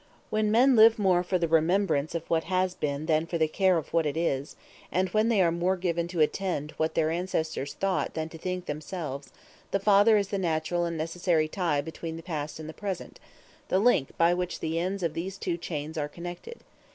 When men live more for the remembrance of what has been than for the care of what is, and when they are more given to attend to what their ancestors thought than to think themselves, the father is the natural and necessary tie between the past and the present the link by which the ends of these two chains are connected.